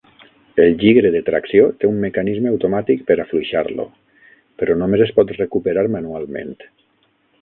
El gigre de tracció té un mecanisme automàtic per afluixar-lo, però només es pot recuperar manualment.